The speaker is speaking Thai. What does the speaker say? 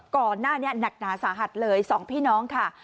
ก่อนหน้านี่หนักหนาสาหัดเลยสองพี่น้องค่ะ